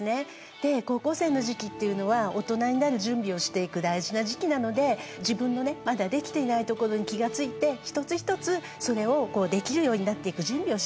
で高校生の時期っていうのはオトナになる準備をしていく大事な時期なので自分のねまだできていないところに気が付いて一つ一つそれをできるようになっていく準備をしていく。